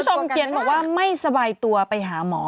คุณผู้ชมเกียรติบอกว่าไม่สบายตัวไปหาหมอ